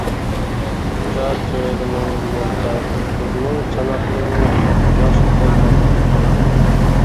كوچا چىرىغىنىڭ نۇرىدا قىزنىڭ چاناقلىرىنىڭ ياشقا تولغانلىقىنى كۆردۈم.